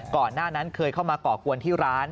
ก่อนหน้านั้นเคยเข้ามาก่อกวนที่ร้าน